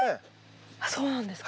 あっそうなんですか？